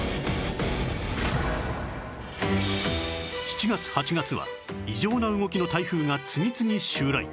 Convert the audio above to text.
７月８月は異常な動きの台風が次々襲来